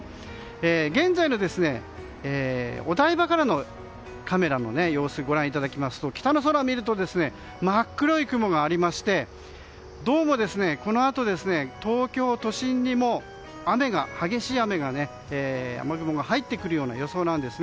現在のお台場からのカメラをご覧いただきますと北の空を見ると真っ黒い雲がありましてどうも、このあと東京都心にも雨雲が入ってくる予想です。